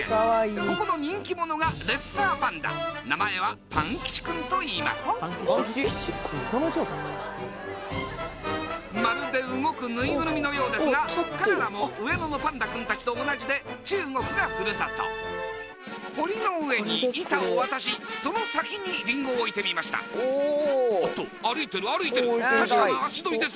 ここの人気者がレッサーパンダ名前はパン吉君といいますまるで動く縫いぐるみのようですが彼らも上野のパンダ君達と同じで中国がふるさと堀の上に板を渡しその先にリンゴを置いてみましたおっと歩いてる歩いてる確かな足取りです